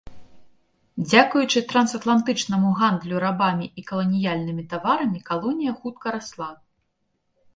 Дзякуючы трансатлантычнаму гандлю рабамі і каланіяльнымі таварамі калонія хутка расла.